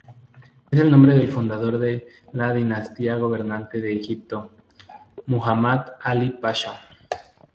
Es el nombre del fundador de la dinastía gobernante de Egipto, Muhammad Ali Pasha.